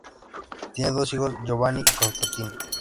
Tienen dos hijos, Giovanni y Constantino.